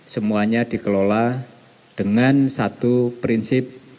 semuanya dikelola dengan satu prinsip